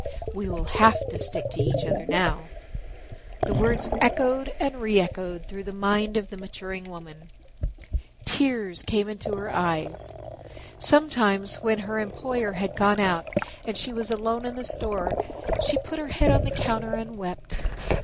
"We will have to stick to each other now." The words echoed and re echoed through the mind of the maturing woman. Tears came into her eyes. Sometimes when her employer had gone out and she was alone in the store she put her head on the counter and wept.